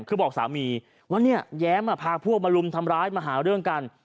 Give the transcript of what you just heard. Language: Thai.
คือบอกสามีว่าเนี่ยแย้มพาพวกมาลุมทำร้ายมาหาเรื่องกัน